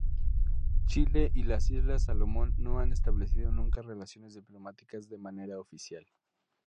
Chile y las Islas Salomón no han establecido nunca relaciones diplomáticas de manera oficial.